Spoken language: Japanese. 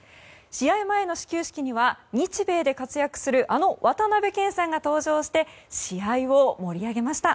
試合前の始球式には日米で活躍するあの渡辺謙さんが登場して試合を盛り上げました。